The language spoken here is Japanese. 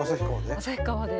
旭川で。